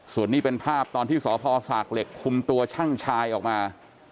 ส่วนนี้เป็นภาพตอนที่สพศากเหล็กคุมตัวช่างชายออกมา